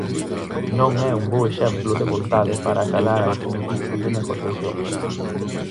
"Non é un bo exemplo de vontade para acadar algún tipo de negociación".